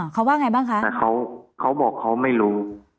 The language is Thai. เขาบอกเขาไม่รู้